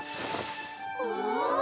お！